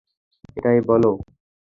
এটাই, বলো?